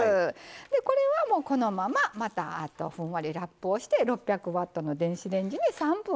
これはこのまままたふんわりラップをして６００ワットの電子レンジに３分かけます。